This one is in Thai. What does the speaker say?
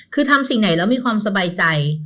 คือทำสิ่งไหนแล้วมีความสบายใจ